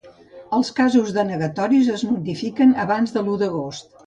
Els casos denegatoris es notifiquen abans de l'u d'agost.